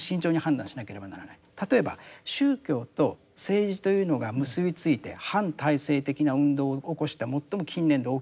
例えば宗教と政治というのが結び付いて反体制的な運動を起こした最も近年で大きな出来事